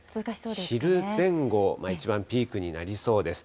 昼前後、一番ピークになりそうです。